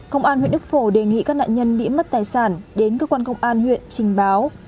công an huyện đức phổ đề nghị các nạn nhân bị mất tài sản đến cơ quan công an huyện trình báo